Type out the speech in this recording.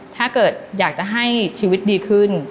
ถ้าเกิดอยากจะให้ชีวิตดีขึ้น